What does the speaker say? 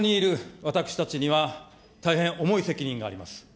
ここにいる私たちには、大変重い責任があります。